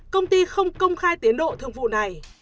công ty không công khai tiến độ thương vụ này